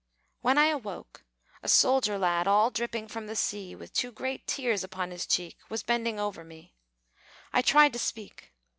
When I awoke, a soldier lad, All dripping from the sea, With two great tears upon his cheeks, Was bending over me. I tried to speak.